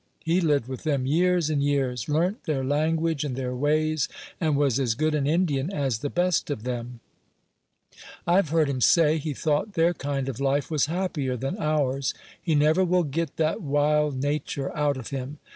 He lived with them years and years, learnt their language and their ways, and was as good an Indian as the best of them. I've heard him say, he thought their kind of life was happier than ours; he never will get that wild nature out of him.